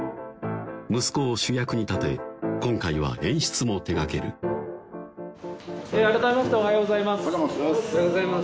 息子を主役に立て今回は演出も手がける改めましておはようございますおはようございます